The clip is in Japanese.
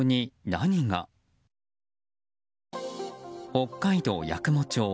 北海道八雲町。